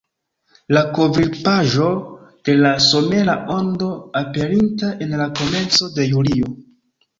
La kovrilpaĝo de la somera Ondo, aperinta en la komenco de julio.